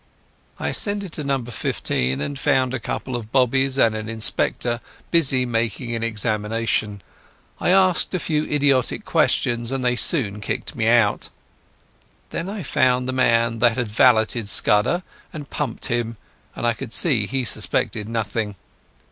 I ascended to No. 15, and found a couple of bobbies and an inspector busy making an examination. I asked a few idiotic questions, and they soon kicked me out. Then I found the man that had valeted Scudder, and pumped him, but I could see he suspected nothing.